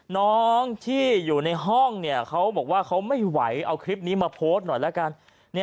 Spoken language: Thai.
น้องที่อยู่ในห้องเขาบอกว่าเขาไม่ไหวเอาคลิปนี้มาโพสต์หน่อยแล้วกัน